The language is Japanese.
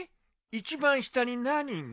一番下に何が？